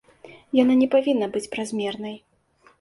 Яна не павінна быць празмернай.